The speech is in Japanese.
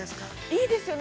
◆いいですよね。